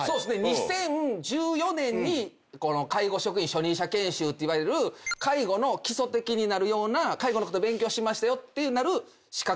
２０１４年に介護職員初任者研修っていわれる介護の基礎的になるような介護のこと勉強しましたよってなる資格を取ったんです。